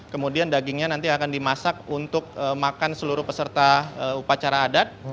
kemudian dagingnya nanti akan dimasak untuk makan seluruh peserta upacara adat